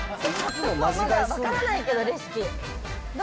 分からないけど、レシピ。